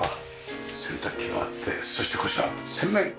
洗濯機があってそしてこちら洗面。